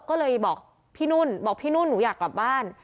ก็เลยบอกพี่นุ่นบอกพี่นุ่นหนูอยากกลับบ้าน